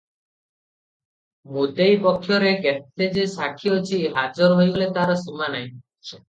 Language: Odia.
ମୁଦେଇ ପକ୍ଷରେ କେତେ ଯେ ସାକ୍ଷୀ ଆସି ହାଜର ହୋଇଗଲେ ତାର ସୀମା ନାହିଁ ।